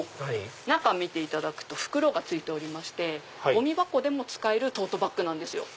中見ていただくと袋が付いておりましてゴミ箱でも使えるトートバッグなんですよ。